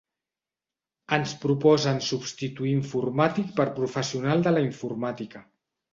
Ens proposen substituir informàtic per professional de la informàtica.